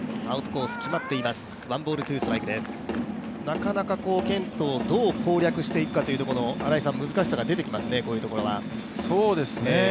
なかなかケントを、どう攻略していくかというところの新井さん、難しさが出てきますね、こういうところは。